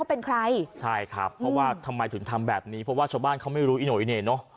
เพราะว่าชาวบ้านเขาไม่รู้อีโหน่ออีเหน่อ